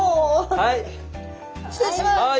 はい。